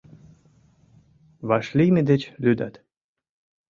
Вашлийме деч лӱдат.